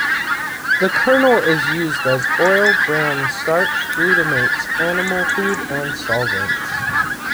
The kernel is used as oil, bran, starch, glutamates, animal feed, and solvents.